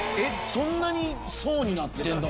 そんなに層になってるの？